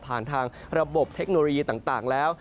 ทางระบบเทคโนโลยีต่างแล้ว